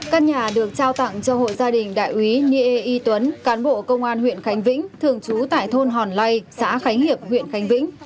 căn nhà được trao tặng cho hội gia đình đại úy niê y tuấn cán bộ công an huyện khánh vĩnh thường trú tại thôn hòn lay xã khánh hiệp huyện khánh vĩnh